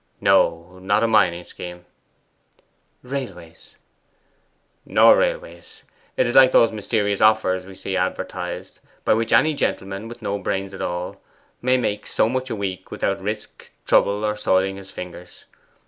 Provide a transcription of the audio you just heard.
'No; not a mining scheme.' 'Railways?' 'Nor railways. It is like those mysterious offers we see advertised, by which any gentleman with no brains at all may make so much a week without risk, trouble, or soiling his fingers.